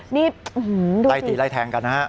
ใต้ตีไล่แทงกันครับ